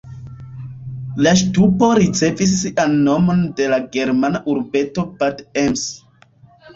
La ŝtupo ricevis sian nomon de la germana urbeto Bad Ems.